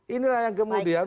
inilah yang kemudian